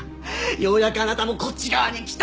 ようやくあなたもこっち側に来た！